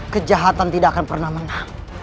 kejahatan tidak akan pernah menang